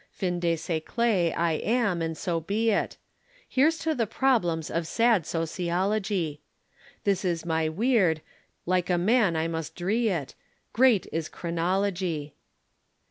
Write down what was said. Fin de siècle I am, and so be it! Here's to the problems of sad sociology! This is my weird, like a man I must dree it, Great is chronology!